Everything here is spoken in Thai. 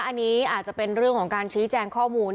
อันนี้อาจจะเป็นเรื่องของการชี้แจงข้อมูล